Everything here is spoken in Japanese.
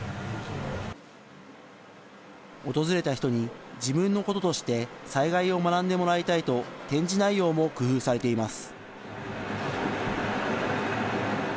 訪れた人に自分のこととして災害を学んでもらいたいと、展示内容も工夫されています。